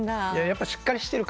やっぱしっかりしてる。